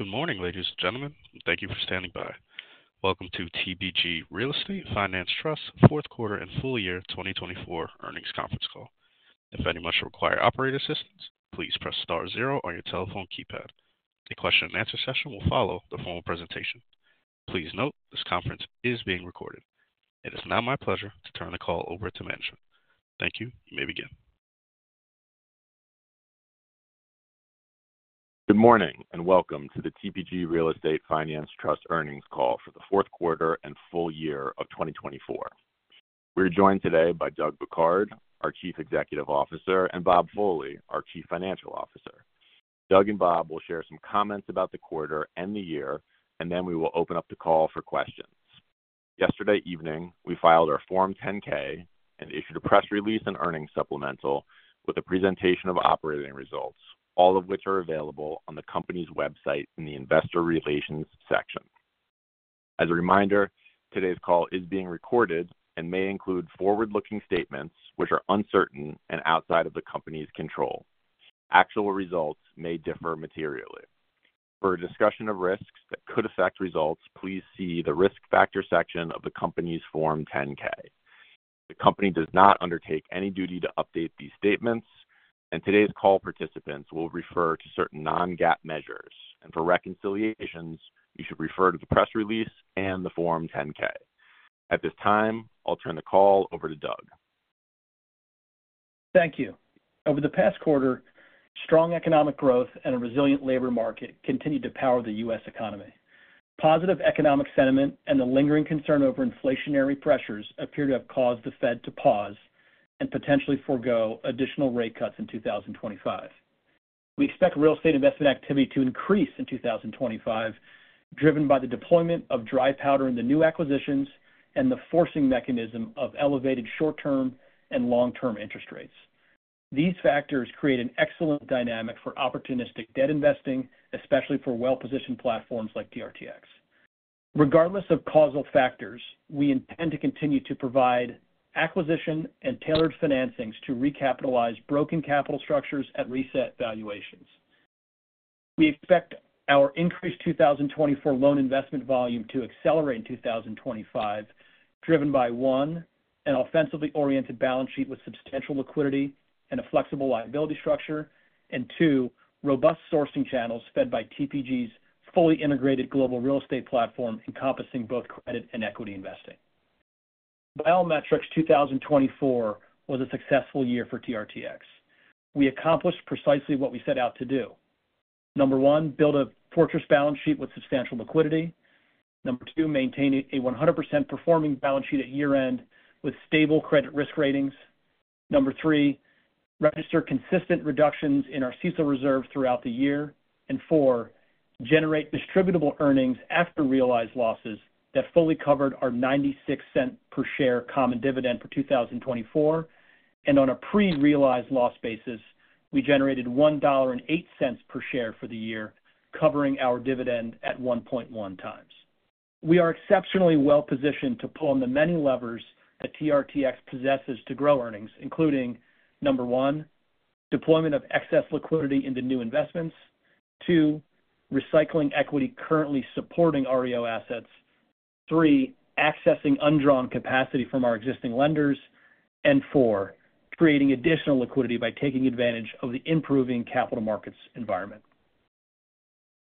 Good morning, ladies and gentlemen. Thank you for standing by. Welcome to TPG RE Finance Trust's fourth quarter and full year 2024 earnings conference call. If any of us require operator assistance, please press star zero on your telephone keypad. A question-and-answer session will follow the formal presentation. Please note this conference is being recorded. It is now my pleasure to turn the call over to management. Thank you. You may begin. Good morning and welcome to the TPG RE Finance Trust earnings call for the fourth quarter and full year of 2024. We're joined today by Doug Bouquard, our Chief Executive Officer, and Bob Foley, our Chief Financial Officer. Doug and Bob will share some comments about the quarter and the year, and then we will open up the call for questions. Yesterday evening, we filed our Form 10-K and issued a press release and earnings supplemental with a presentation of operating results, all of which are available on the company's website in the Investor Relations section. As a reminder, today's call is being recorded and may include forward-looking statements which are uncertain and outside of the company's control. Actual results may differ materially. For a discussion of risks that could affect results, please see the risk factor section of the company's Form 10-K. The company does not undertake any duty to update these statements, and today's call participants will refer to certain non-GAAP measures and for reconciliations, you should refer to the press release and the Form 10-K. At this time, I'll turn the call over to Doug. Thank you. Over the past quarter, strong economic growth and a resilient labor market continued to power the U.S. economy. Positive economic sentiment and the lingering concern over inflationary pressures appear to have caused the Fed to pause and potentially forgo additional rate cuts in 2025. We expect real estate investment activity to increase in 2025, driven by the deployment of dry powder in the new acquisitions and the forcing mechanism of elevated short-term and long-term interest rates. These factors create an excellent dynamic for opportunistic debt investing, especially for well-positioned platforms like TRTX. Regardless of causal factors, we intend to continue to provide acquisition and tailored financings to recapitalize broken capital structures at reset valuations. We expect our increased 2024 loan investment volume to accelerate in 2025, driven by, one, an offensively oriented balance sheet with substantial liquidity and a flexible liability structure, and, two, robust sourcing channels fed by TPG's fully integrated global real estate platform encompassing both credit and equity investing. 2024 was a successful year for TRTX. We accomplished precisely what we set out to do. Number one, build a fortress balance sheet with substantial liquidity. Number two, maintain a 100% performing balance sheet at year-end with stable credit risk ratings. Number three, register consistent reductions in our CECL reserve throughout the year, and four, generate distributable earnings after realized losses that fully covered our $0.96 per share common dividend for 2024, and on a pre-realized loss basis, we generated $1.08 per share for the year, covering our dividend at 1.1x. We are exceptionally well-positioned to pull on the many levers that TRTX possesses to grow earnings, including number one, deployment of excess liquidity into new investments, two, recycling equity currently supporting REO assets, three, accessing undrawn capacity from our existing lenders, and four, creating additional liquidity by taking advantage of the improving capital markets environment.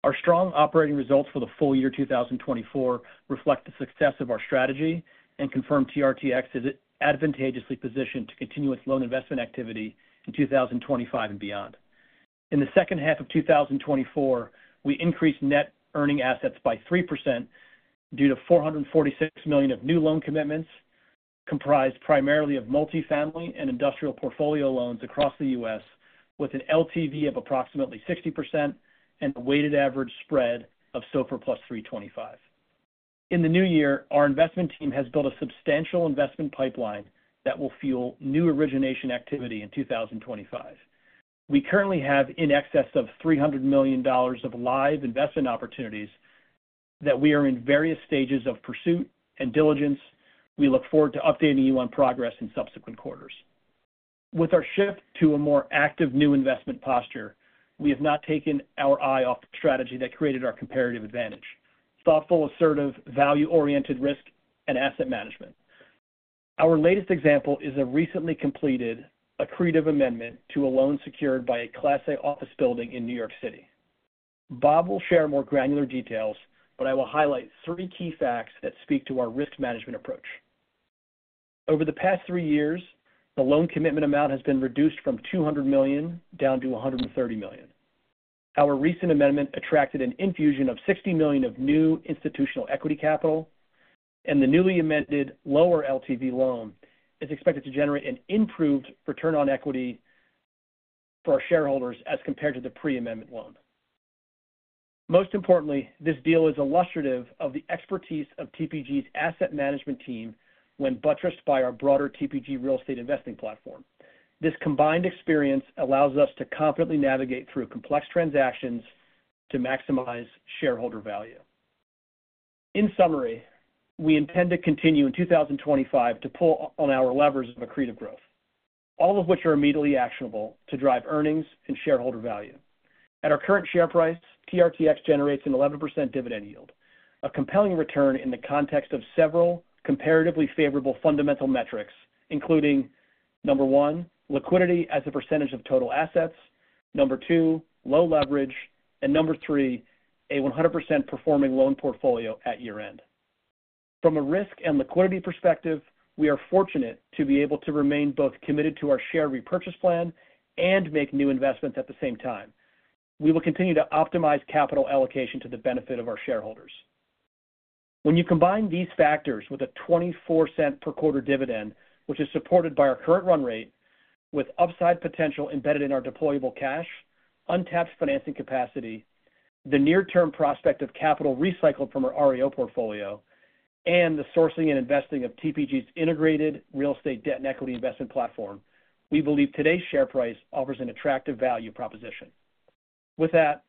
Our strong operating results for the full year 2024 reflect the success of our strategy and confirm TRTX is advantageously positioned to continue its loan investment activity in 2025 and beyond. In the second half of 2024, we increased net earning assets by 3% due to $446 million of new loan commitments comprised primarily of multifamily and industrial portfolio loans across the U.S., with an LTV of approximately 60% and a weighted average spread of SOFR plus 325. In the new year, our investment team has built a substantial investment pipeline that will fuel new origination activity in 2025. We currently have in excess of $300 million of live investment opportunities that we are in various stages of pursuit and diligence. We look forward to updating you on progress in subsequent quarters. With our shift to a more active new investment posture, we have not taken our eye off the strategy that created our comparative advantage: thoughtful, assertive, value-oriented risk and asset management. Our latest example is a recently completed accretive amendment to a loan secured by a Class A office building in New York City. Bob will share more granular details, but I will highlight three key facts that speak to our risk management approach. Over the past three years, the loan commitment amount has been reduced from $200 million down to $130 million. Our recent amendment attracted an infusion of $60 million of new institutional equity capital, and the newly amended lower LTV loan is expected to generate an improved return on equity for our shareholders as compared to the pre-amendment loan. Most importantly, this deal is illustrative of the expertise of TPG's asset management team when buttressed by our broader TPG real estate investing platform. This combined experience allows us to confidently navigate through complex transactions to maximize shareholder value. In summary, we intend to continue in 2025 to pull on our levers of accretive growth, all of which are immediately actionable to drive earnings and shareholder value. At our current share price, TRTX generates an 11% dividend yield, a compelling return in the context of several comparatively favorable fundamental metrics, including number one, liquidity as a percentage of total assets. Number two, low leverage. And number three, a 100% performing loan portfolio at year-end. From a risk and liquidity perspective, we are fortunate to be able to remain both committed to our share repurchase plan and make new investments at the same time. We will continue to optimize capital allocation to the benefit of our shareholders. When you combine these factors with a $0.24 per quarter dividend, which is supported by our current run rate with upside potential embedded in our deployable cash, untapped financing capacity, the near-term prospect of capital recycled from our REO portfolio, and the sourcing and investing of TPG's integrated real estate debt and equity investment platform, we believe today's share price offers an attractive value proposition. With that,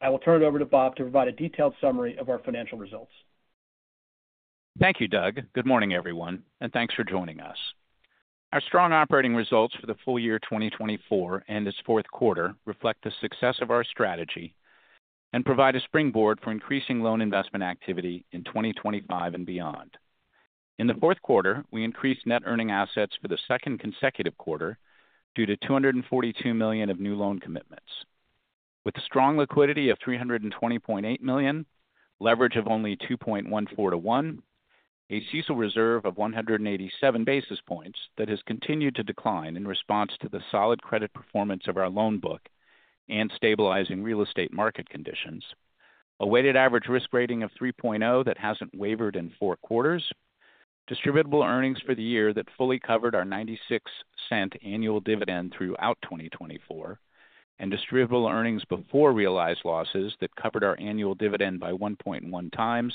I will turn it over to Bob to provide a detailed summary of our financial results. Thank you, Doug. Good morning, everyone, and thanks for joining us. Our strong operating results for the full year 2024 and its fourth quarter reflect the success of our strategy and provide a springboard for increasing loan investment activity in 2025 and beyond. In the fourth quarter, we increased net earning assets for the second consecutive quarter due to $242 million of new loan commitments. With a strong liquidity of $320.8 million, leverage of only 2.14 to one, a CECL reserve of 187 basis points that has continued to decline in response to the solid credit performance of our loan book and stabilizing real estate market conditions, a weighted average risk rating of 3.0 that hasn't wavered in four quarters, distributable earnings for the year that fully covered our $0.96 annual dividend throughout 2024, and distributable earnings before realized losses that covered our annual dividend by 1.1x,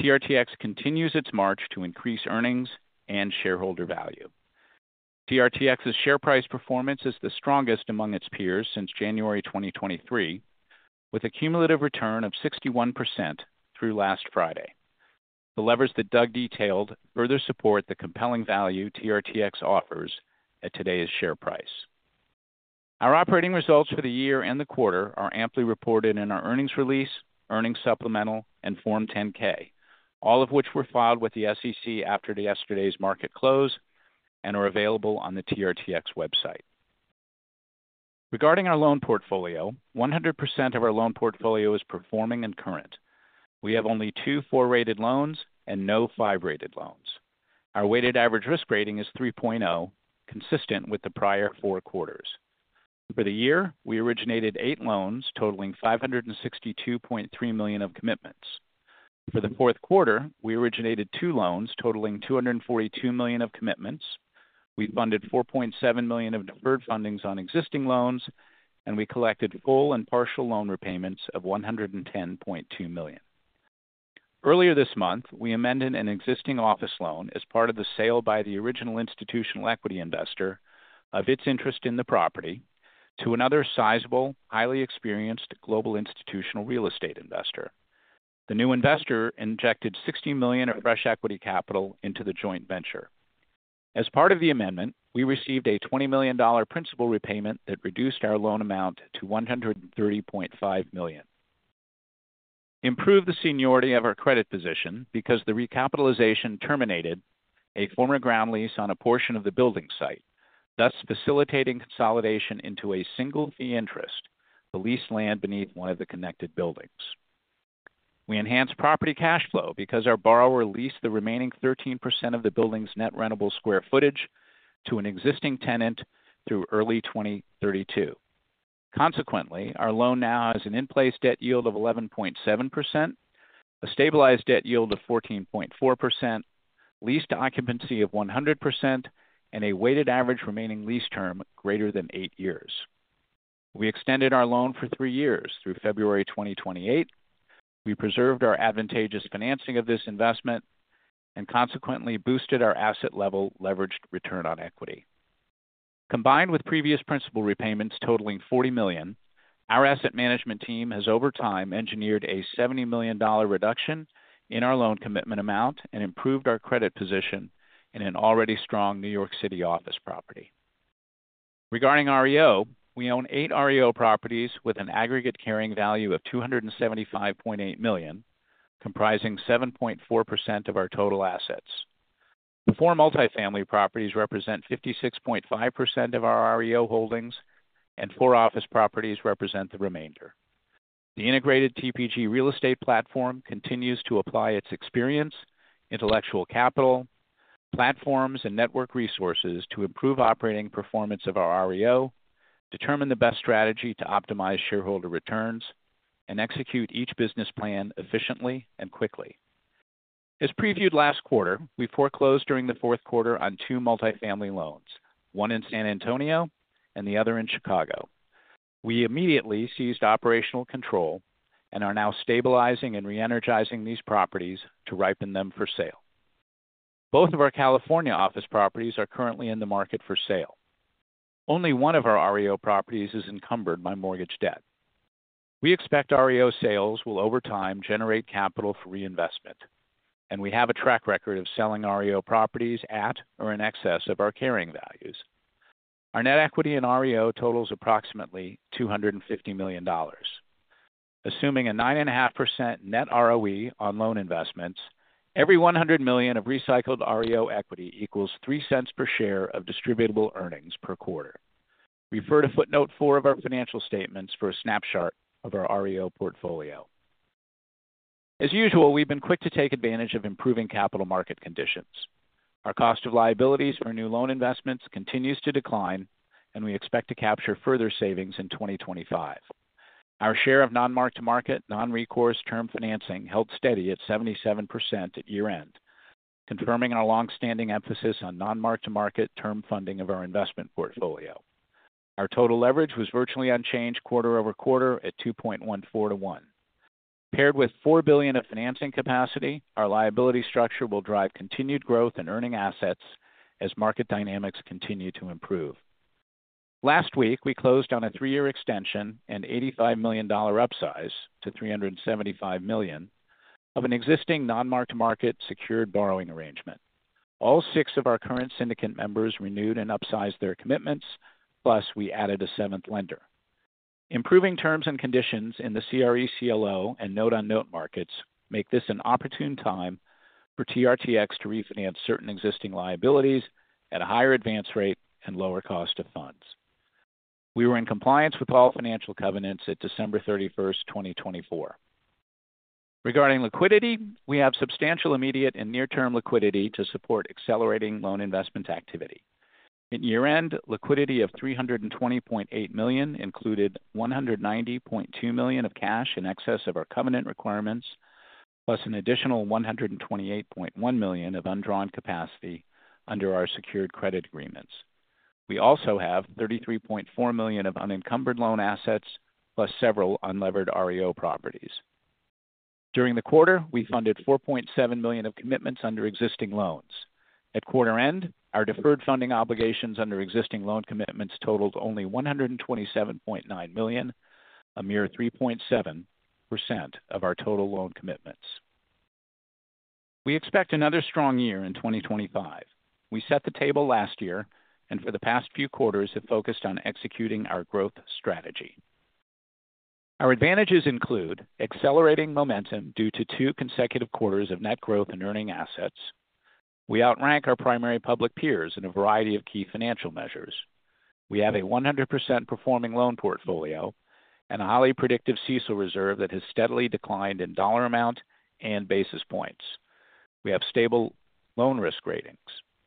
TRTX continues its march to increase earnings and shareholder value. TRTX's share price performance is the strongest among its peers since January 2023, with a cumulative return of 61% through last Friday. The levers that Doug detailed further support the compelling value TRTX offers at today's share price. Our operating results for the year and the quarter are amply reported in our earnings release, earnings supplemental, and Form 10-K, all of which were filed with the SEC after yesterday's market close and are available on the TRTX website. Regarding our loan portfolio, 100% of our loan portfolio is performing and current. We have only two four-rated loans and no five-rated loans. Our weighted average risk rating is 3.0, consistent with the prior four quarters. For the year, we originated eight loans totaling $562.3 million of commitments. For the fourth quarter, we originated two loans totaling $242 million of commitments. We funded $4.7 million of deferred fundings on existing loans, and we collected full and partial loan repayments of $110.2 million. Earlier this month, we amended an existing office loan as part of the sale by the original institutional equity investor of its interest in the property to another sizable, highly experienced global institutional real estate investor. The new investor injected $60 million of fresh equity capital into the joint venture. As part of the amendment, we received a $20 million principal repayment that reduced our loan amount to $130.5 million. Improved the seniority of our credit position because the recapitalization terminated a former ground lease on a portion of the building site, thus facilitating consolidation into a single fee interest, the leased land beneath one of the connected buildings. We enhanced property cash flow because our borrower leased the remaining 13% of the building's net rentable square footage to an existing tenant through early 2032. Consequently, our loan now has an in-place debt yield of 11.7%, a stabilized debt yield of 14.4%, leased occupancy of 100%, and a weighted average remaining lease term greater than eight years. We extended our loan for three years through February 2028. We preserved our advantageous financing of this investment and consequently boosted our asset-level leveraged return on equity. Combined with previous principal repayments totaling $40 million, our asset management team has over time engineered a $70 million reduction in our loan commitment amount and improved our credit position in an already strong New York City office property. Regarding REO, we own eight REO properties with an aggregate carrying value of $275.8 million, comprising 7.4% of our total assets. The four multifamily properties represent 56.5% of our REO holdings, and four office properties represent the remainder. The integrated TPG real estate platform continues to apply its experience, intellectual capital, platforms, and network resources to improve operating performance of our REO, determine the best strategy to optimize shareholder returns, and execute each business plan efficiently and quickly. As previewed last quarter, we foreclosed during the fourth quarter on two multifamily loans, one in San Antonio and the other in Chicago. We immediately seized operational control and are now stabilizing and reenergizing these properties to ripen them for sale. Both of our California office properties are currently in the market for sale. Only one of our REO properties is encumbered by mortgage debt. We expect REO sales will over time generate capital for reinvestment, and we have a track record of selling REO properties at or in excess of our carrying values. Our net equity in REO totals approximately $250 million. Assuming a 9.5% net ROE on loan investments, every $100 million of recycled REO equity equals $0.03 per share of distributable earnings per quarter. Refer to footnote four of our financial statements for a snapshot of our REO portfolio. As usual, we've been quick to take advantage of improving capital market conditions. Our cost of liabilities for new loan investments continues to decline, and we expect to capture further savings in 2025. Our share of non-marked-to-market, non-recourse term financing held steady at 77% at year-end, confirming our long-standing emphasis on non-marked-to-market term funding of our investment portfolio. Our total leverage was virtually unchanged quarter over quarter at 2.14 to 1. Paired with $4 billion of financing capacity, our liability structure will drive continued growth in earning assets as market dynamics continue to improve. Last week, we closed on a three-year extension and $85 million upsize to $375 million of an existing non-marked-to-market secured borrowing arrangement. All six of our current syndicate members renewed and upsized their commitments, plus we added a seventh lender. Improving terms and conditions in the CRE CLO and note-on-note markets make this an opportune time for TRTX to refinance certain existing liabilities at a higher advance rate and lower cost of funds. We were in compliance with all financial covenants at December 31st, 2024. Regarding liquidity, we have substantial immediate and near-term liquidity to support accelerating loan investment activity. At year-end, liquidity of $320.8 million included $190.2 million of cash in excess of our covenant requirements, plus an additional $128.1 million of undrawn capacity under our secured credit agreements. We also have $33.4 million of unencumbered loan assets, plus several unlevered REO properties. During the quarter, we funded $4.7 million of commitments under existing loans. At quarter end, our deferred funding obligations under existing loan commitments totaled only $127.9 million, a mere 3.7% of our total loan commitments. We expect another strong year in 2025. We set the table last year, and for the past few quarters, have focused on executing our growth strategy. Our advantages include accelerating momentum due to two consecutive quarters of net growth in earning assets. We outrank our primary public peers in a variety of key financial measures. We have a 100% performing loan portfolio and a highly predictive CECL reserve that has steadily declined in dollar amount and basis points. We have stable loan risk ratings.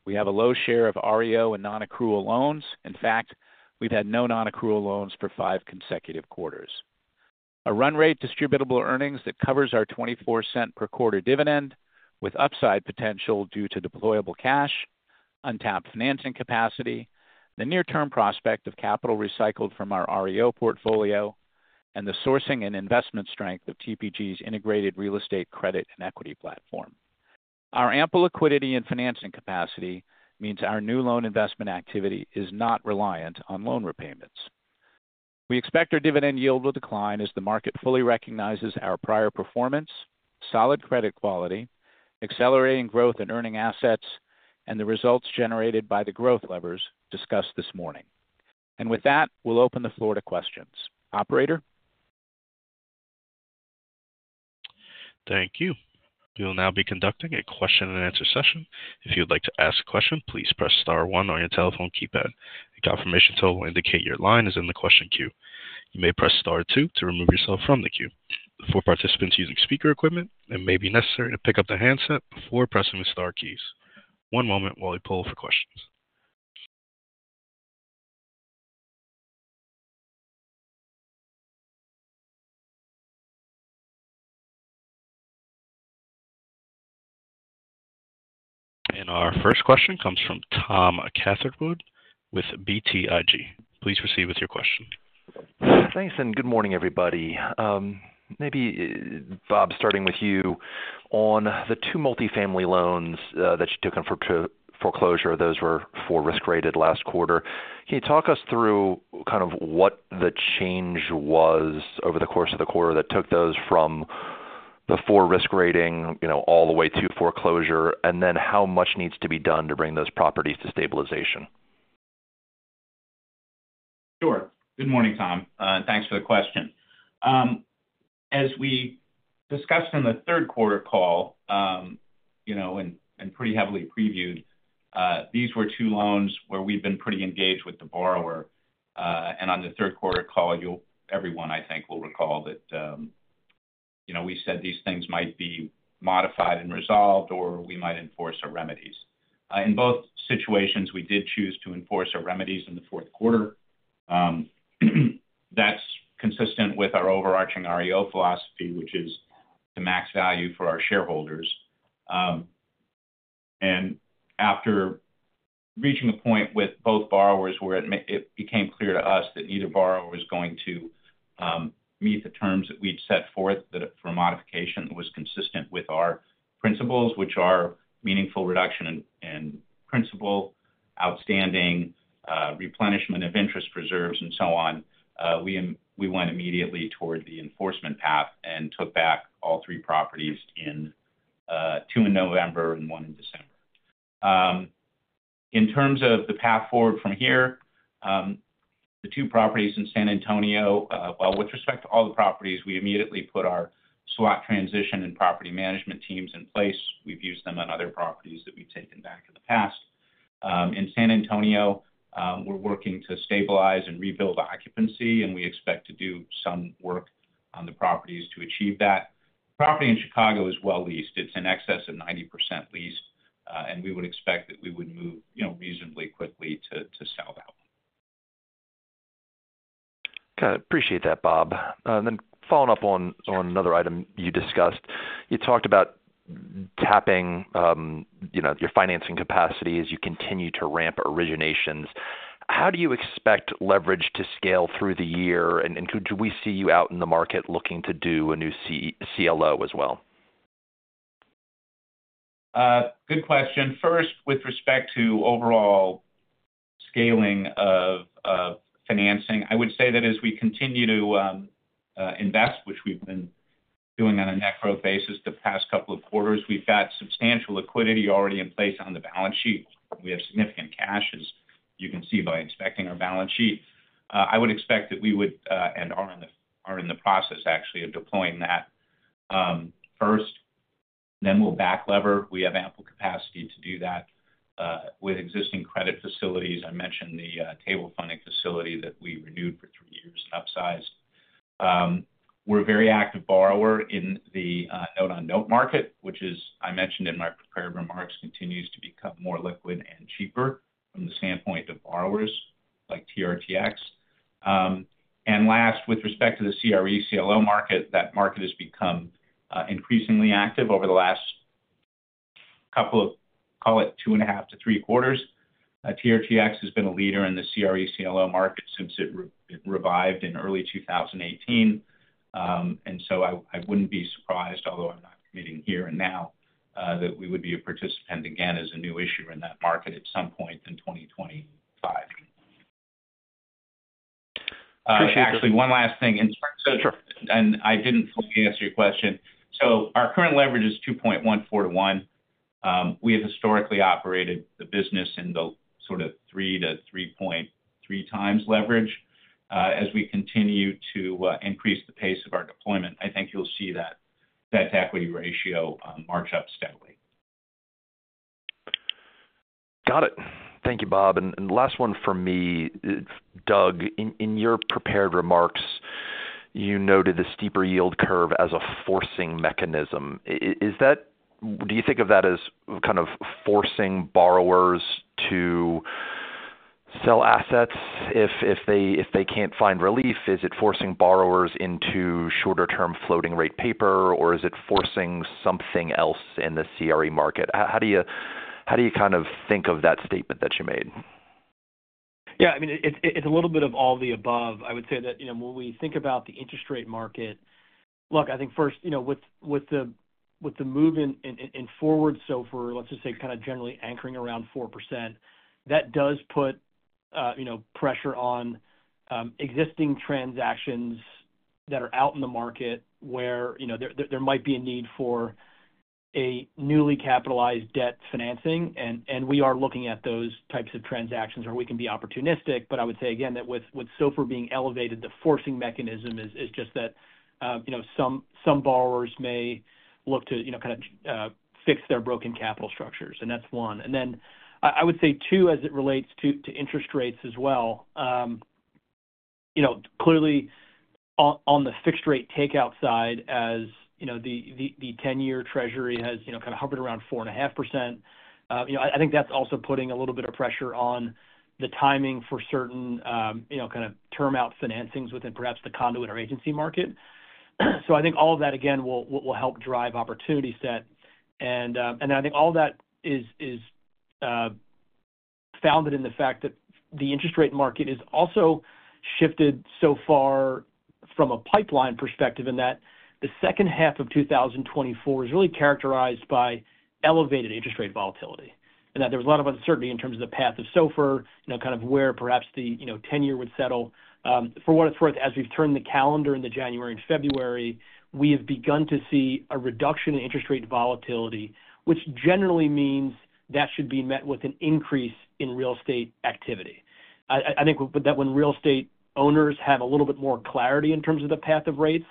We have a low share of REO and non-accrual loans. In fact, we've had no non-accrual loans for five consecutive quarters. A run rate distributable earnings that covers our $0.24 per quarter dividend with upside potential due to deployable cash, untapped financing capacity, the near-term prospect of capital recycled from our REO portfolio, and the sourcing and investment strength of TPG's integrated real estate credit and equity platform. Our ample liquidity and financing capacity means our new loan investment activity is not reliant on loan repayments. We expect our dividend yield will decline as the market fully recognizes our prior performance, solid credit quality, accelerating growth in earning assets, and the results generated by the growth levers discussed this morning. And with that, we'll open the floor to questions. Operator. Thank you. We will now be conducting a question-and-answer session. If you'd like to ask a question, please press star one on your telephone keypad. A confirmation to indicate your line is in the question queue. You may press star two to remove yourself from the queue. For participants using speaker equipment, it may be necessary to pick up the handset before pressing the star keys. One moment while we poll for questions. And our first question comes from Tom Catherwood with BTIG. Please proceed with your question. Thanks, and good morning, everybody. Maybe Bob, starting with you. On the two multifamily loans that you took in for foreclosure, those were risk rated four last quarter. Can you talk us through kind of what the change was over the course of the quarter that took those from the risk rating four all the way to foreclosure, and then how much needs to be done to bring those properties to stabilization? Sure. Good morning, Tom. Thanks for the question. As we discussed in the third quarter call and pretty heavily previewed, these were two loans where we've been pretty engaged with the borrower, and on the third quarter call, everyone, I think, will recall that we said these things might be modified and resolved, or we might enforce our remedies. In both situations, we did choose to enforce our remedies in the fourth quarter. That's consistent with our overarching REO philosophy, which is to max value for our shareholders, and after reaching a point with both borrowers where it became clear to us that neither borrower was going to meet the terms that we'd set forth for modification, it was consistent with our principles, which are meaningful reduction in principal, outstanding replenishment of interest reserves, and so on. We went immediately toward the enforcement path and took back all three properties, two in November and one in December. In terms of the path forward from here, the two properties in San Antonio, well, with respect to all the properties, we immediately put our SWAT transition and property management teams in place. We've used them on other properties that we've taken back in the past. In San Antonio, we're working to stabilize and rebuild occupancy, and we expect to do some work on the properties to achieve that. The property in Chicago is well leased. It's in excess of 90% leased, and we would expect that we would move reasonably quickly to sell that one. Got it. Appreciate that, Bob. Then following up on another item you discussed, you talked about tapping your financing capacity as you continue to ramp originations. How do you expect leverage to scale through the year, and do we see you out in the market looking to do a new CLO as well? Good question. First, with respect to overall scaling of financing, I would say that as we continue to invest, which we've been doing on a net growth basis the past couple of quarters, we've got substantial liquidity already in place on the balance sheet. We have significant cash, as you can see by inspecting our balance sheet. I would expect that we would and are in the process, actually, of deploying that first. Then we'll back lever. We have ample capacity to do that with existing credit facilities. I mentioned the table funding facility that we renewed for three years and upsized. We're a very active borrower in the note-on-note market, which is, I mentioned in my prepared remarks, continues to become more liquid and cheaper from the standpoint of borrowers like TRTX. And last, with respect to the CRE CLO market, that market has become increasingly active over the last couple of, call it two and a half to three quarters. TRTX has been a leader in the CRE CLO market since it revived in early 2018. And so I wouldn't be surprised, although I'm not committing here and now, that we would be a participant again as a new issuer in that market at some point in 2025. Appreciate it. Actually, one last thing. Sure. I didn't fully answer your question. Our current leverage is 2.14 to one. We have historically operated the business in the sort of 3x-3.3x leverage. As we continue to increase the pace of our deployment, I think you'll see that debt-to-equity ratio march up steadily. Got it. Thank you, Bob. And last one from me, Doug. In your prepared remarks, you noted the steeper yield curve as a forcing mechanism. Do you think of that as kind of forcing borrowers to sell assets if they can't find relief? Is it forcing borrowers into shorter-term floating-rate paper, or is it forcing something else in the CRE market? How do you kind of think of that statement that you made? Yeah. I mean, it's a little bit of all the above. I would say that when we think about the interest rate market, look, I think first, with the move in forward, SOFR, let's just say, kind of generally anchoring around 4%, that does put pressure on existing transactions that are out in the market where there might be a need for a newly capitalized debt financing. And we are looking at those types of transactions where we can be opportunistic. But I would say, again, that with SOFR being elevated, the forcing mechanism is just that some borrowers may look to kind of fix their broken capital structures. And that's one. And then I would say, two, as it relates to interest rates as well. Clearly, on the fixed-rate takeout side, as the 10-Year Treasury has kind of hovered around 4.5%, I think that's also putting a little bit of pressure on the timing for certain kind of term-out financings within perhaps the conduit or agency market. So I think all of that, again, will help drive opportunity set. And I think all of that is founded in the fact that the interest rate market has also shifted so far from a pipeline perspective in that the second half of 2024 is really characterized by elevated interest rate volatility and that there was a lot of uncertainty in terms of the path of SOFR, kind of where perhaps the 10-Year would settle. For what it's worth, as we've turned the calendar into January and February, we have begun to see a reduction in interest rate volatility, which generally means that should be met with an increase in real estate activity. I think that when real estate owners have a little bit more clarity in terms of the path of rates,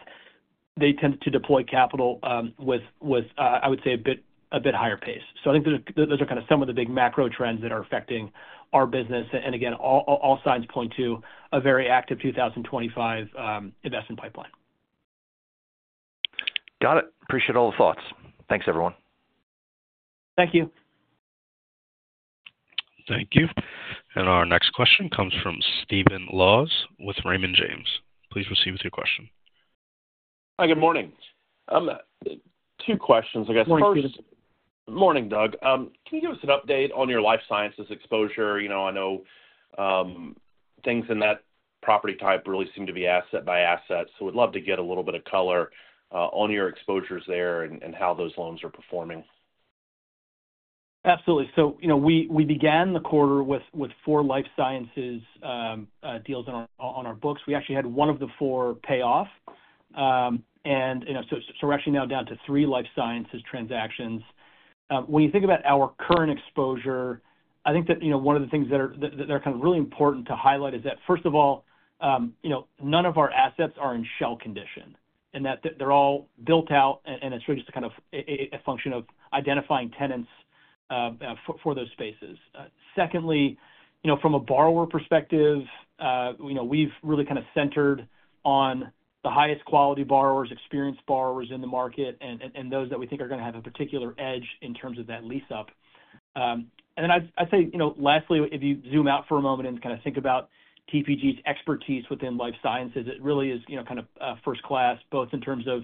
they tend to deploy capital with, I would say, a bit higher pace. So I think those are kind of some of the big macro trends that are affecting our business. And again, all signs point to a very active 2025 investment pipeline. Got it. Appreciate all the thoughts. Thanks, everyone. Thank you. Thank you, and our next question comes from Stephen Laws with Raymond James. Please proceed with your question. Hi, good morning. Two questions. I guess first. Morning. Morning, Doug. Can you give us an update on your life sciences exposure? I know things in that property type really seem to be asset by asset. So we'd love to get a little bit of color on your exposures there and how those loans are performing. Absolutely, so we began the quarter with four life sciences deals on our books. We actually had one of the four pay off, and so we're actually now down to three life sciences transactions. When you think about our current exposure, I think that one of the things that are kind of really important to highlight is that, first of all, none of our assets are in shell condition and that they're all built out, and it's really just kind of a function of identifying tenants for those spaces. Secondly, from a borrower perspective, we've really kind of centered on the highest quality borrowers, experienced borrowers in the market, and those that we think are going to have a particular edge in terms of that lease up. Then I'd say, lastly, if you zoom out for a moment and kind of think about TPG's expertise within life sciences, it really is kind of first class, both in terms of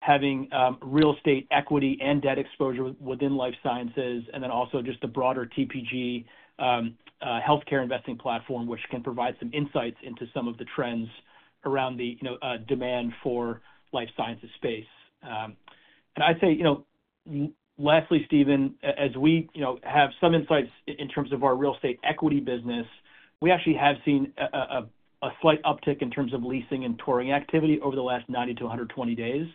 having real estate equity and debt exposure within life sciences, and then also just the broader TPG healthcare investing platform, which can provide some insights into some of the trends around the demand for life sciences space. I'd say, lastly, Stephen, as we have some insights in terms of our real estate equity business, we actually have seen a slight uptick in terms of leasing and touring activity over the last 90 to 120 days.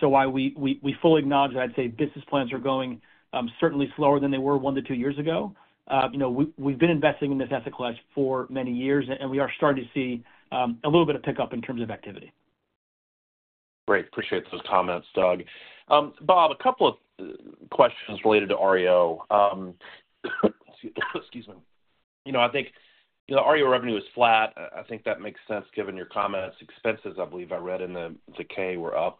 So, while we fully acknowledge that, I'd say business plans are going certainly slower than they were one to two years ago. We've been investing in this asset class for many years, and we are starting to see a little bit of pickup in terms of activity. Great. Appreciate those comments, Doug. Bob, a couple of questions related to REO. Excuse me. I think the REO revenue is flat. I think that makes sense given your comments. Expenses, I believe I read in the 10-K, were up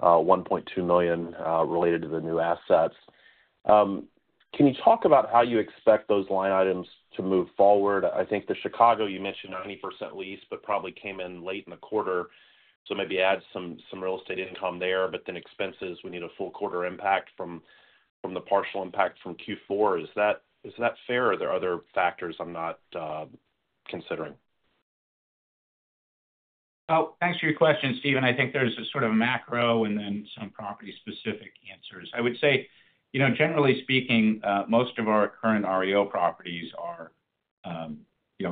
$1.2 million related to the new assets. Can you talk about how you expect those line items to move forward? I think the Chicago, you mentioned 90% lease, but probably came in late in the quarter. So maybe add some real estate income there. But then expenses, we need a full quarter impact from the partial impact from Q4. Is that fair, or are there other factors I'm not considering? Oh, thanks for your question, Stephen. I think there's sort of macro and then some property-specific answers. I would say, generally speaking, most of our current REO properties are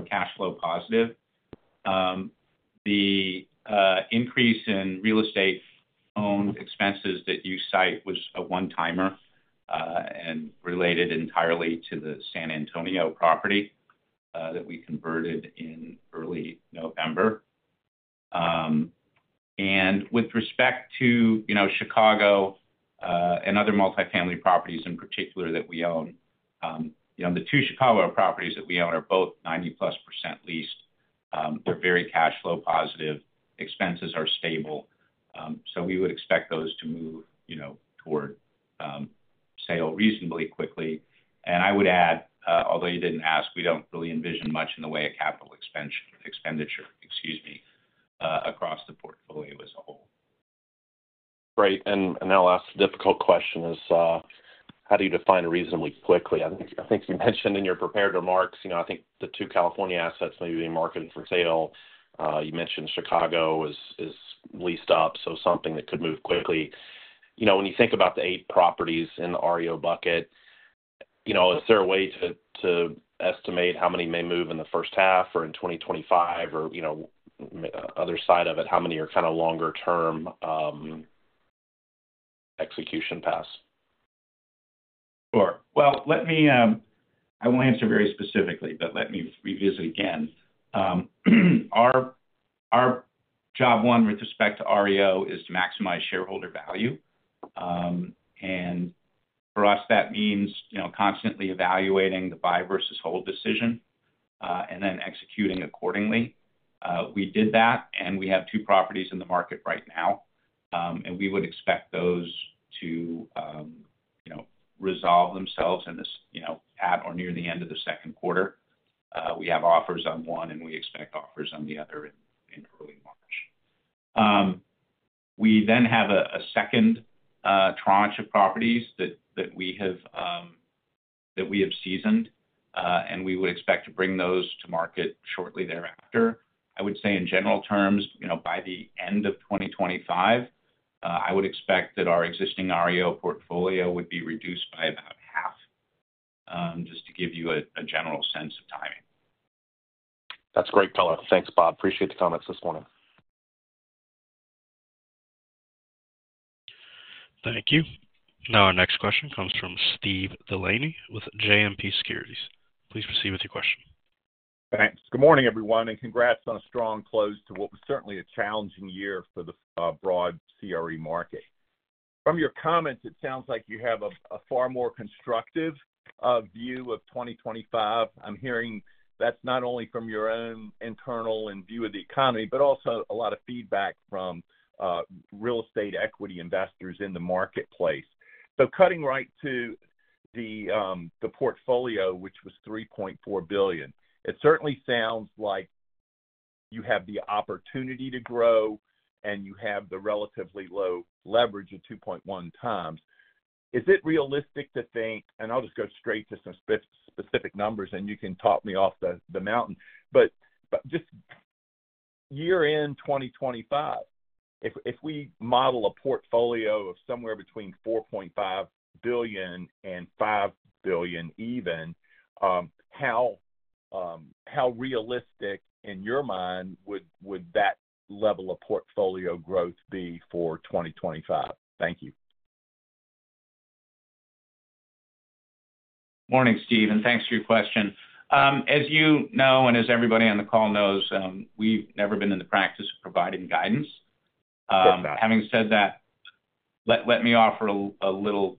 cash flow positive. The increase in real estate-owned expenses that you cite was a one-timer and related entirely to the San Antonio property that we converted in early November. And with respect to Chicago and other multifamily properties in particular that we own, the two Chicago properties that we own are both 90+% leased. They're very cash flow positive. Expenses are stable. So we would expect those to move toward sale reasonably quickly. And I would add, although you didn't ask, we don't really envision much in the way of capital expenditure, excuse me, across the portfolio as a whole. Great. And now last difficult question is, how do you define reasonably quickly? I think you mentioned in your prepared remarks, I think the two California assets may be being marketed for sale. You mentioned Chicago is leased up, so something that could move quickly. When you think about the eight properties in the REO bucket, is there a way to estimate how many may move in the first half or in 2025 or other side of it, how many are kind of longer-term execution paths? Sure. Well, I won't answer very specifically, but let me revisit again. Our job, one, with respect to REO, is to maximize shareholder value. And for us, that means constantly evaluating the buy versus hold decision and then executing accordingly. We did that, and we have two properties in the market right now. And we would expect those to resolve themselves at or near the end of the second quarter. We have offers on one, and we expect offers on the other in early March. We then have a second tranche of properties that we have seasoned, and we would expect to bring those to market shortly thereafter. I would say, in general terms, by the end of 2025, I would expect that our existing REO portfolio would be reduced by about half, just to give you a general sense of timing. That's great, Bob. Thanks, Bob. Appreciate the comments this morning. Thank you. Now our next question comes from Steve Delaney with JMP Securities. Please proceed with your question. Thanks. Good morning, everyone, and congrats on a strong close to what was certainly a challenging year for the broad CRE market. From your comments, it sounds like you have a far more constructive view of 2025. I'm hearing that's not only from your own internal and view of the economy, but also a lot of feedback from real estate equity investors in the marketplace. So cutting right to the portfolio, which was $3.4 billion, it certainly sounds like you have the opportunity to grow, and you have the relatively low leverage of 2.1x. Is it realistic to think, and I'll just go straight to some specific numbers, and you can talk me off the mountain, but just year-end 2025, if we model a portfolio of somewhere between $4.5 billion and $5 billion even, how realistic, in your mind, would that level of portfolio growth be for 2025? Thank you. Morning, Steve, and thanks for your question. As you know, and as everybody on the call knows, we've never been in the practice of providing guidance. Good. Having said that, let me offer a little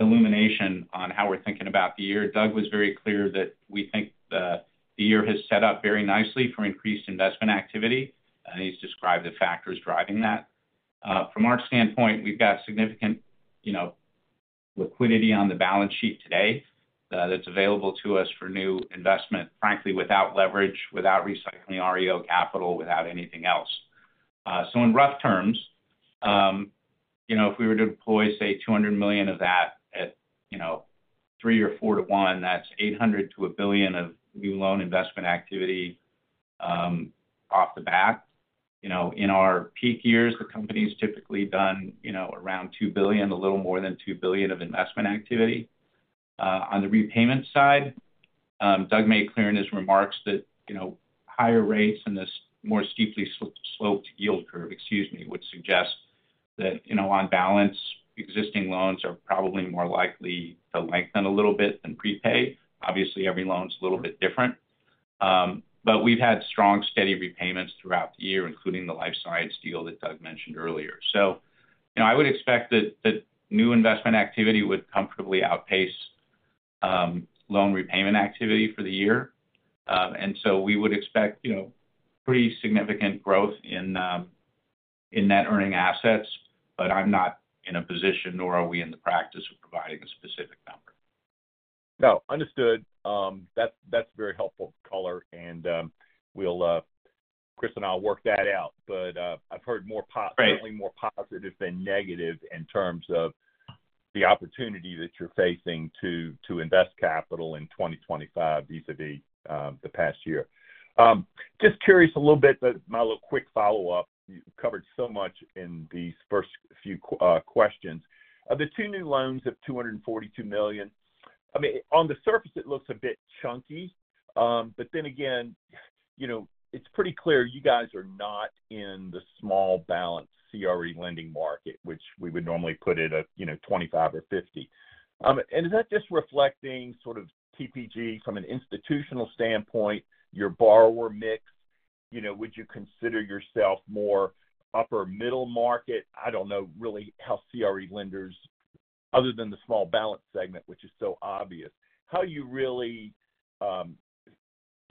illumination on how we're thinking about the year. Doug was very clear that we think the year has set up very nicely for increased investment activity, and he's described the factors driving that. From our standpoint, we've got significant liquidity on the balance sheet today that's available to us for new investment, frankly, without leverage, without recycling REO capital, without anything else. So in rough terms, if we were to deploy, say, $200 million of that at three or four to one, that's $800 million-$1 billion of new loan investment activity off the bat. In our peak years, the company's typically done around $2 billion, a little more than $2 billion of investment activity. On the repayment side, Doug made clear in his remarks that higher rates and this more steeply sloped yield curve, excuse me, would suggest that on balance, existing loans are probably more likely to lengthen a little bit than prepay. Obviously, every loan's a little bit different. But we've had strong, steady repayments throughout the year, including the life science deal that Doug mentioned earlier. So I would expect that new investment activity would comfortably outpace loan repayment activity for the year. And so we would expect pretty significant growth in net earning assets, but I'm not in a position, nor are we in the practice of providing a specific number. No. Understood. That's very helpful, color, and Chris and I'll work that out, but I've heard certainly more positive than negative in terms of the opportunity that you're facing to invest capital in 2025 vis-à-vis the past year. Just curious a little bit, my little quick follow-up. You covered so much in these first few questions. Of the two new loans of $242 million, I mean, on the surface, it looks a bit chunky, but then again, it's pretty clear you guys are not in the small balance CRE lending market, which we would normally put at $25 or $50, and is that just reflecting sort of TPG from an institutional standpoint, your borrower mix? Would you consider yourself more upper-middle market? I don't know really how CRE lenders, other than the small balance segment, which is so obvious, how you really kind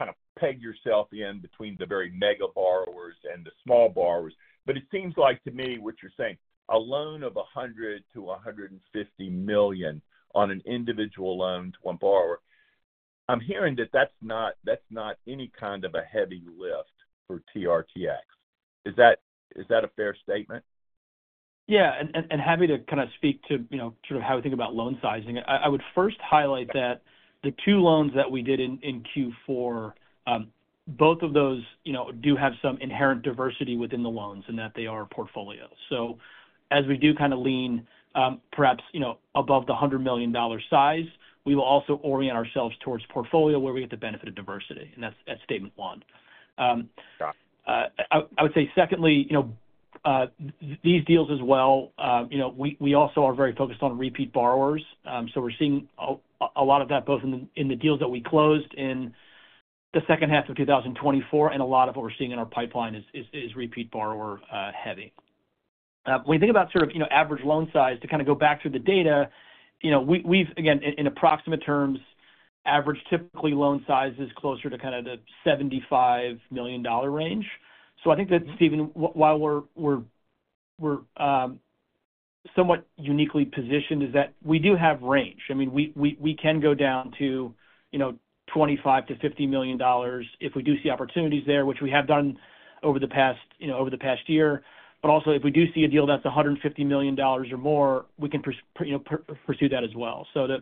of peg yourself in between the very mega borrowers and the small borrowers. But it seems like to me what you're saying, a loan of $100 million-$150 million on an individual loan to one borrower, I'm hearing that that's not any kind of a heavy lift for TRTX. Is that a fair statement? Yeah, and happy to kind of speak to sort of how we think about loan sizing. I would first highlight that the two loans that we did in Q4, both of those do have some inherent diversity within the loans in that they are portfolio. So as we do kind of lean perhaps above the $100 million size, we will also orient ourselves towards portfolio where we get the benefit of diversity. And that's at statement one. Got it. I would say, secondly, these deals as well, we also are very focused on repeat borrowers. So we're seeing a lot of that both in the deals that we closed in the second half of 2024, and a lot of what we're seeing in our pipeline is repeat borrower heavy. When you think about sort of average loan size, to kind of go back through the data, we've, again, in approximate terms, averaged typically loan sizes closer to kind of the $75 million range. So I think that, Steven, while we're somewhat uniquely positioned, is that we do have range. I mean, we can go down to $25 million-$50 million if we do see opportunities there, which we have done over the past year. But also, if we do see a deal that's $150 million or more, we can pursue that as well. To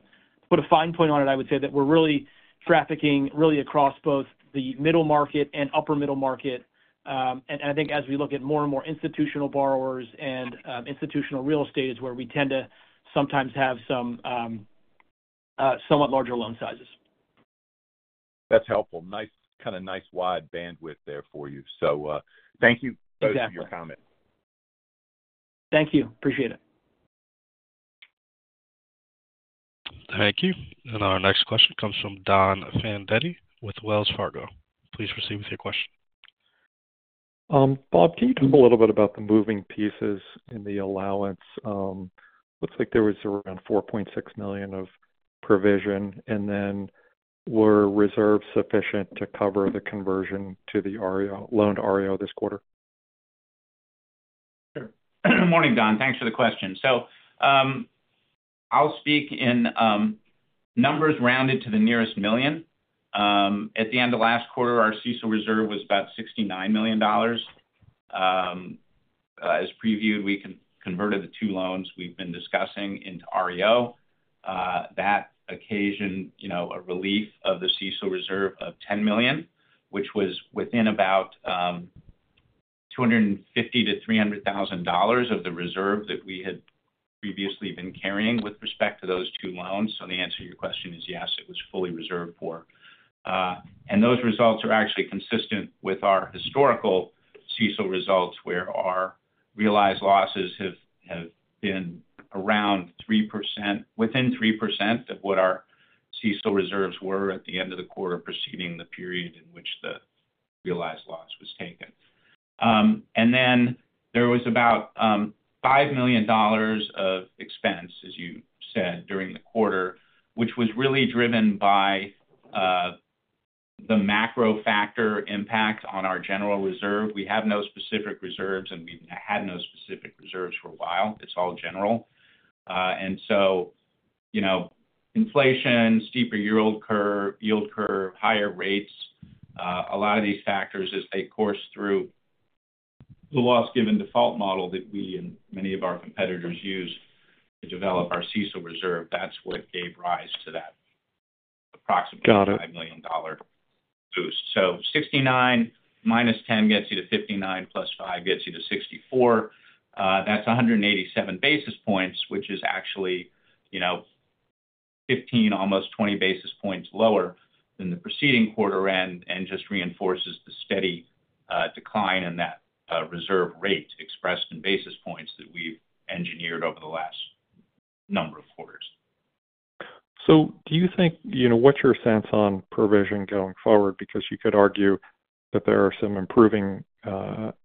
put a fine point on it, I would say that we're really trafficking across both the middle market and upper-middle market. I think as we look at more and more institutional borrowers and institutional real estate is where we tend to sometimes have somewhat larger loan sizes. That's helpful. Kind of nice wide bandwidth there for you. So thank you both for your comments. Exactly. Thank you. Appreciate it. Thank you. And our next question comes from Don Fandetti with Wells Fargo. Please proceed with your question. Bob, can you talk a little bit about the moving pieces in the allowance? Looks like there was around $4.6 million of provision, and then were reserves sufficient to cover the conversion to the loan to REO this quarter? Sure. Good morning, Don. Thanks for the question. So I'll speak in numbers rounded to the nearest million. At the end of last quarter, our CECL reserve was about $69 million. As previewed, we converted the two loans we've been discussing into REO. That occasioned a relief of the CECL reserve of $10 million, which was within about $250,000-$300,000 of the reserve that we had previously been carrying with respect to those two loans. So the answer to your question is yes, it was fully reserved for. And those results are actually consistent with our historical CECL results, where our realized losses have been around within 3% of what our CECL reserves were at the end of the quarter preceding the period in which the realized loss was taken. And then there was about $5 million of expense, as you said, during the quarter, which was really driven by the macro factor impact on our general reserve. We have no specific reserves, and we've had no specific reserves for a while. It's all general. And so inflation, steeper yield curve, higher rates, a lot of these factors as they coursed through the loss-given default model that we and many of our competitors use to develop our CECL reserve. That's what gave rise to that approximate $5 million boost. So 69 minus 10 gets you to 59 plus 5 gets you to 64. That's 187 basis points, which is actually 15, almost 20 basis points lower than the preceding quarter end and just reinforces the steady decline in that reserve rate expressed in basis points that we've engineered over the last number of quarters. So, do you think? What's your sense on provision going forward? Because you could argue that there are some improving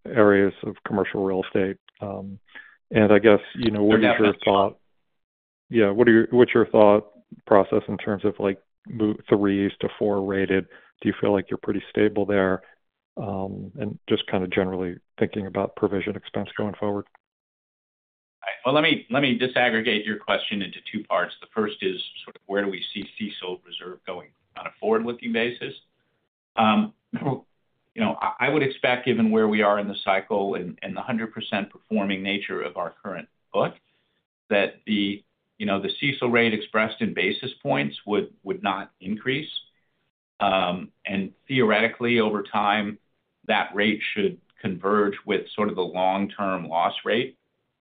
areas of commercial real estate. And I guess, what is your thought? Yeah. What's your thought process in terms of three- to four-rated? Do you feel like you're pretty stable there? And just kind of generally thinking about provision expense going forward. All right, well, let me disaggregate your question into two parts. The first is sort of where do we see CECL reserve going on a forward-looking basis? I would expect, given where we are in the cycle and the 100% performing nature of our current book, that the CECL rate expressed in basis points would not increase. And theoretically, over time, that rate should converge with sort of the long-term loss rate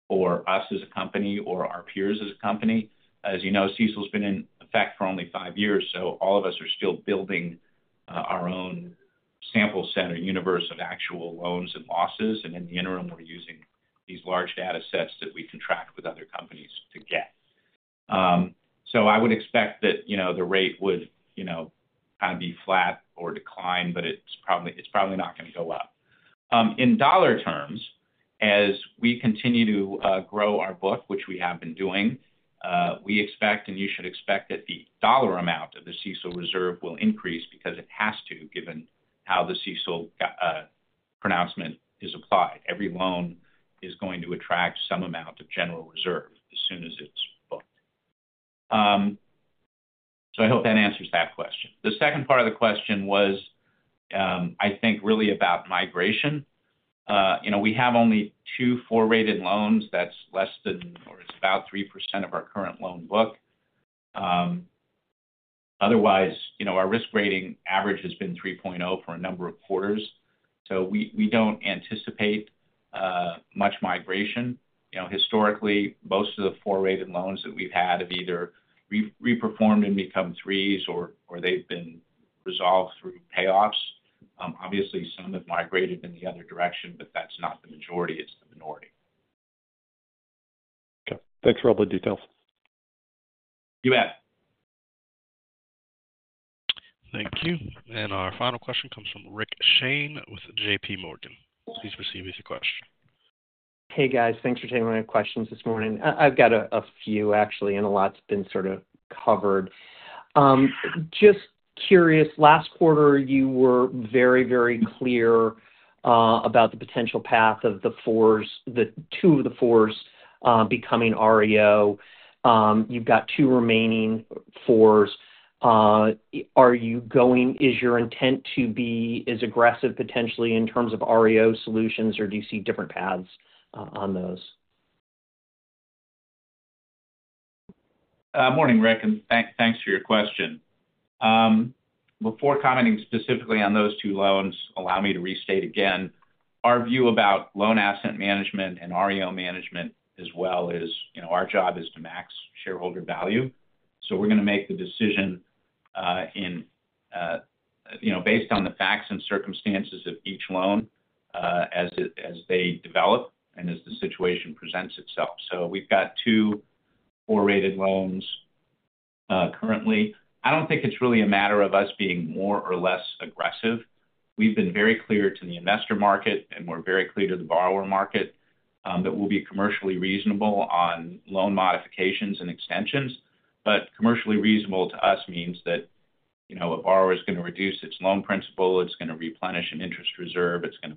for us as a company or our peers as a company. As you know, CECL has been in effect for only five years. So all of us are still building our own sample set or universe of actual loans and losses. And in the interim, we're using these large data sets that we contract with other companies to get. So I would expect that the rate would kind of be flat or decline, but it's probably not going to go up. In dollar terms, as we continue to grow our book, which we have been doing, we expect, and you should expect, that the dollar amount of the CECL reserve will increase because it has to, given how the CECL pronouncement is applied. Every loan is going to attract some amount of general reserve as soon as it's booked. So I hope that answers that question. The second part of the question was, I think, really about migration. We have only two four-rated loans. That's less than or it's about 3% of our current loan book. Otherwise, our risk rating average has been 3.0 for a number of quarters. So we don't anticipate much migration. Historically, most of the four-rated loans that we've had have either reperformed and become threes, or they've been resolved through payoffs. Obviously, some have migrated in the other direction, but that's not the majority. It's the minority. Okay. Thanks for all the details. You bet. Thank you. And our final question comes from Rick Shane with JPMorgan. Please proceed with your question. Hey, guys. Thanks for taking my questions this morning. I've got a few, actually, and a lot's been sort of covered. Just curious, last quarter, you were very, very clear about the potential path of the fours, the two of the fours becoming REO. You've got two remaining fours. Is your intent to be as aggressive, potentially, in terms of REO solutions, or do you see different paths on those? Morning, Rick, and thanks for your question. Before commenting specifically on those two loans, allow me to restate again. Our view about loan asset management and REO management as well is our job is to max shareholder value. So we're going to make the decision based on the facts and circumstances of each loan as they develop and as the situation presents itself. So we've got two four-rated loans currently. I don't think it's really a matter of us being more or less aggressive. We've been very clear to the investor market, and we're very clear to the borrower market that we'll be commercially reasonable on loan modifications and extensions. But commercially reasonable to us means that a borrower is going to reduce its loan principal. It's going to replenish an interest reserve. It's going to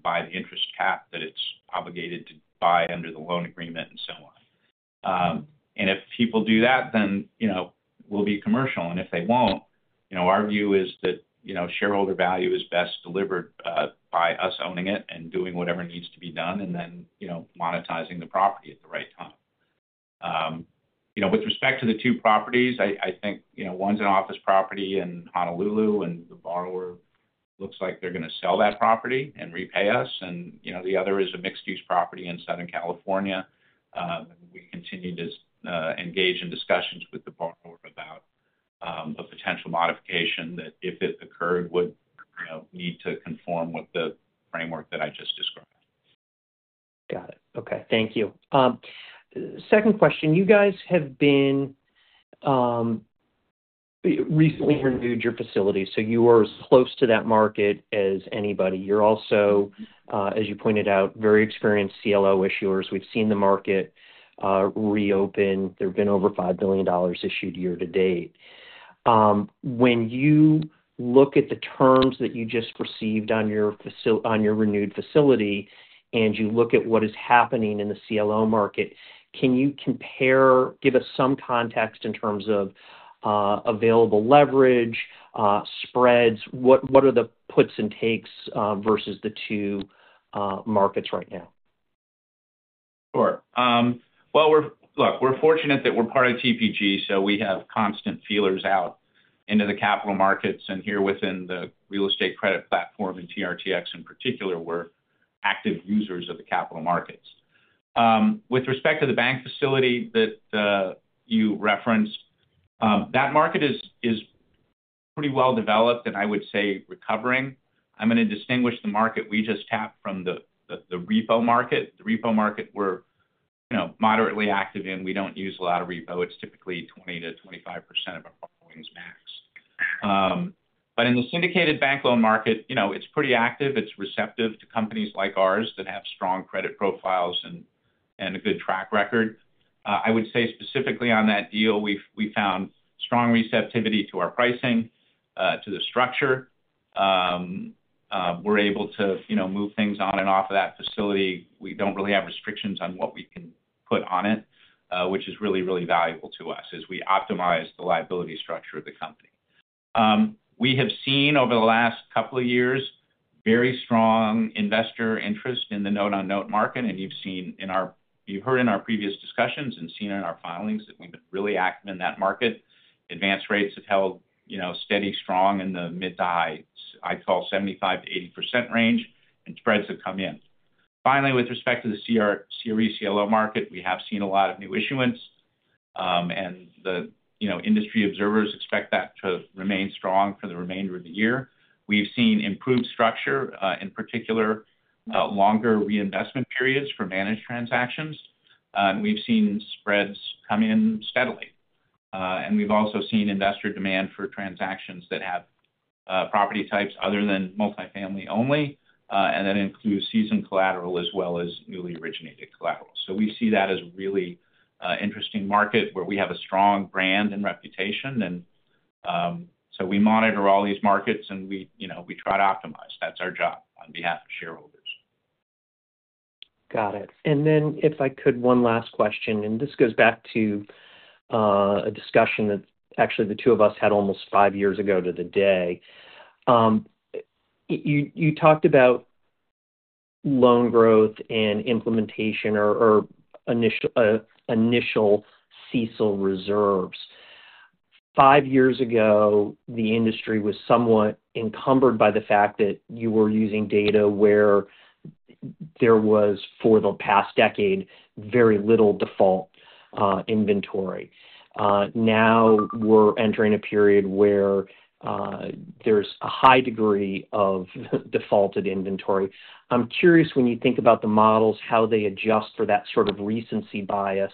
buy the interest cap that it's obligated to buy under the loan agreement and so on. And if people do that, then we'll be commercial. And if they won't, our view is that shareholder value is best delivered by us owning it and doing whatever needs to be done and then monetizing the property at the right time. With respect to the two properties, I think one's an office property in Honolulu, and the borrower looks like they're going to sell that property and repay us. And the other is a mixed-use property in Southern California. We continue to engage in discussions with the borrower about a potential modification that, if it occurred, would need to conform with the framework that I just described. Got it. Okay. Thank you. Second question. You guys have been recently renewed your facility. So you are as close to that market as anybody. You're also, as you pointed out, very experienced CLO issuers. We've seen the market reopen. There have been over $5 million issued year to date. When you look at the terms that you just received on your renewed facility and you look at what is happening in the CLO market, can you give us some context in terms of available leverage, spreads? What are the puts and takes versus the two markets right now? Sure. Well, look, we're fortunate that we're part of TPG, so we have constant feelers out into the capital markets. And here within the real estate credit platform and TRTX in particular, we're active users of the capital markets. With respect to the bank facility that you referenced, that market is pretty well developed and I would say recovering. I'm going to distinguish the market we just tapped from the repo market. The repo market, we're moderately active in. We don't use a lot of repo. It's typically 20%-25% of our borrowing's max. But in the syndicated bank loan market, it's pretty active. It's receptive to companies like ours that have strong credit profiles and a good track record. I would say specifically on that deal, we found strong receptivity to our pricing, to the structure. We're able to move things on and off of that facility. We don't really have restrictions on what we can put on it, which is really, really valuable to us as we optimize the liability structure of the company. We have seen over the last couple of years very strong investor interest in the note-on-note market. And you've heard in our previous discussions and seen in our filings that we've been really active in that market. Advance rates have held steady, strong in the mid-to-high, I'd call 75%-80% range, and spreads have come in. Finally, with respect to the CRE CLO market, we have seen a lot of new issuance, and the industry observers expect that to remain strong for the remainder of the year. We've seen improved structure, in particular, longer reinvestment periods for managed transactions. And we've seen spreads come in steadily. And we've also seen investor demand for transactions that have property types other than multifamily only. And that includes seasoned collateral as well as newly originated collateral. So we see that as a really interesting market where we have a strong brand and reputation. And so we monitor all these markets, and we try to optimize. That's our job on behalf of shareholders. Got it. And then if I could, one last question. And this goes back to a discussion that actually the two of us had almost five years ago to the day. You talked about loan growth and implementation or initial CECL reserves. Five years ago, the industry was somewhat encumbered by the fact that you were using data where there was, for the past decade, very little default inventory. Now we're entering a period where there's a high degree of defaulted inventory. I'm curious, when you think about the models, how they adjust for that sort of recency bias.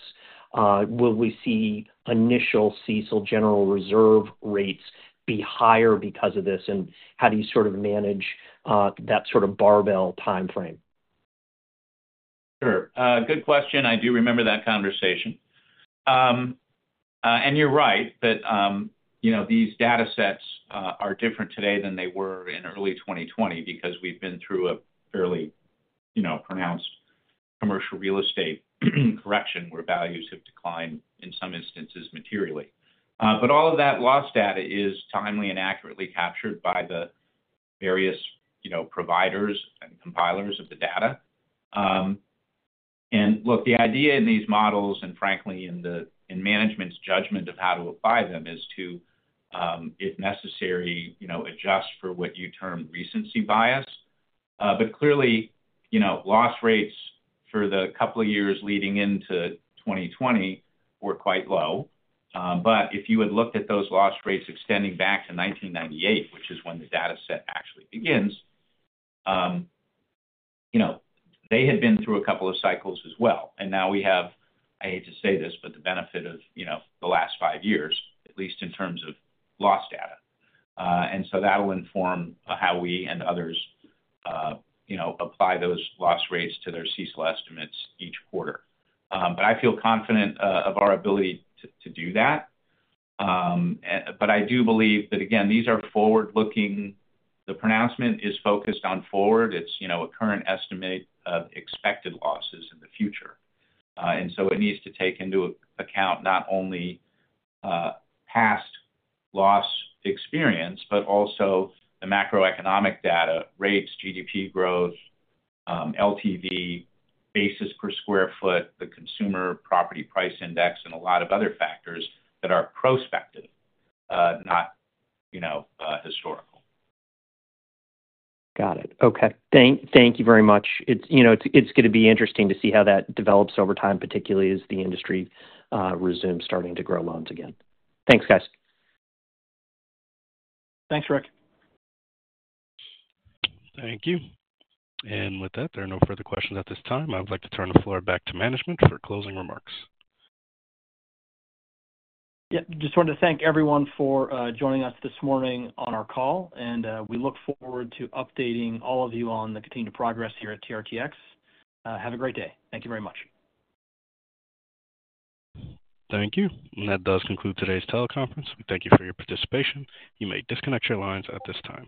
Will we see initial CECL general reserve rates be higher because of this? And how do you sort of manage that sort of barbell timeframe? Sure. Good question. I do remember that conversation. And you're right that these data sets are different today than they were in early 2020 because we've been through a fairly pronounced commercial real estate correction where values have declined in some instances materially. But all of that loss data is timely and accurately captured by the various providers and compilers of the data. And look, the idea in these models and frankly in management's judgment of how to apply them is to, if necessary, adjust for what you term recency bias. But clearly, loss rates for the couple of years leading into 2020 were quite low. But if you had looked at those loss rates extending back to 1998, which is when the data set actually begins, they had been through a couple of cycles as well. Now we have, I hate to say this, but the benefit of the last five years, at least in terms of loss data. That'll inform how we and others apply those loss rates to their CECL estimates each quarter. I feel confident of our ability to do that. I do believe that, again, these are forward-looking. The pronouncement is focused on forward. It's a current estimate of expected losses in the future. It needs to take into account not only past loss experience, but also the macroeconomic data: rates, GDP growth, LTV, basis per square foot, the Commercial Property Price Index, and a lot of other factors that are prospective, not historical. Got it. Okay. Thank you very much. It's going to be interesting to see how that develops over time, particularly as the industry resumes starting to grow loans again. Thanks, guys. Thanks, Rick. Thank you. And with that, there are no further questions at this time. I would like to turn the floor back to management for closing remarks. Yeah. Just wanted to thank everyone for joining us this morning on our call, and we look forward to updating all of you on the continued progress here at TRTX. Have a great day. Thank you very much. Thank you. And that does conclude today's teleconference. We thank you for your participation. You may disconnect your lines at this time.